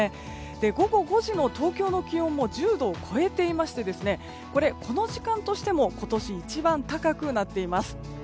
午後５時の東京の気温も１０度を超えていましてこの時間としても今年一番高くなっています。